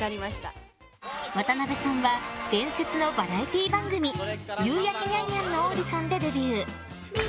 渡辺さんは伝説のバラエティー番組「夕やけニャンニャン」のオーディションでデビュー。